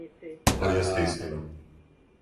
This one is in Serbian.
То јесте истина.